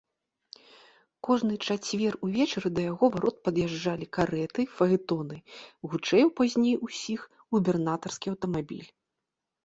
Кожны чацвер увечары да яго варот пад'язджалі карэты, фаэтоны, гучэў пазней усіх губернатарскі аўтамабіль.